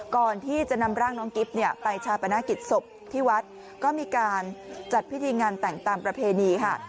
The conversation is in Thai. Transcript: ก่อนที่จะนำร่างน้องกิ๊บเนี่ยไปชาปนกิจศพที่วัดก็มีการจัดพิธีงานแต่งตามประเพณีค่ะ